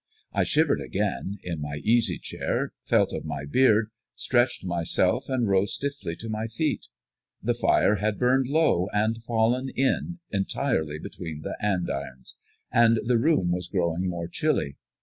I shivered again, in my easy chair, felt of my beard, stretched myself and rose stiffly to my feet. The fire had burned low, had fallen in entirely between the andirons, and the room was growing more chilly.